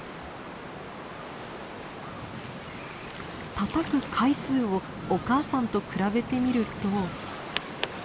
たたく回数をお母さんと比べてみると。